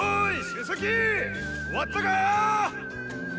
終わったか？